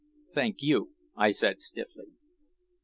"Thank you," I said stiffly.